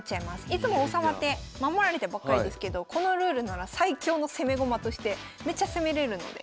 いつも王様って守られてばっかりですけどこのルールなら最強の攻め駒としてめっちゃ攻めれるので。